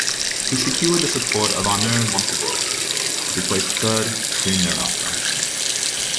He secured the support of Arnaud Montebourg, who placed third, soon thereafter.